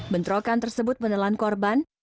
bentrokan tersebut menelan korban